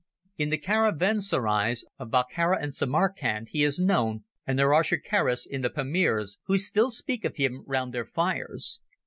In the caravanserais of Bokhara and Samarkand he is known, and there are shikaris in the Pamirs who still speak of him round their fires.